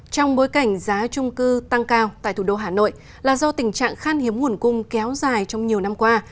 trong bối cảnh giá trung cư tăng cao tại thủ đô hà nội là do tình trạng khan hiếm nguồn cung kéo dài trong nhiều năm qua